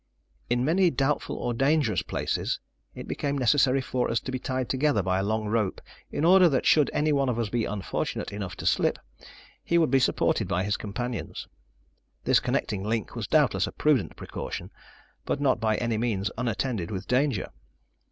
In many doubtful or dangerous places, it became necessary for us to be tied together by a long rope in order that should any one of us be unfortunate enough to slip, he would be supported by his companions. This connecting link was doubtless a prudent precaution, but not by any means unattended with danger.